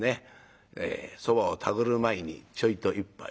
そばを食べる前にちょいと一杯」。